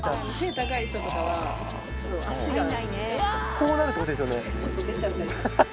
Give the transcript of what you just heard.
こうなるってことですよね。